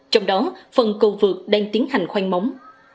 trong đó phần cầu vực đang tiến hành khoan móng